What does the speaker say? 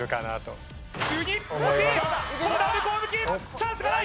チャンスがない！